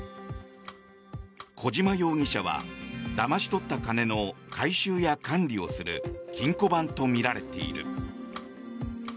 小島容疑者は、だまし取った金の回収や管理をする金庫番とみられている。